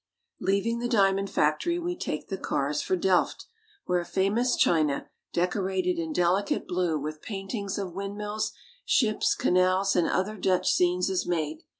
Leaving the diamond factory, we take the cars for Delft, where a famous china decorated in delicate blue with paintings of windmills, ships, canals, and other Dutch scenes, is made.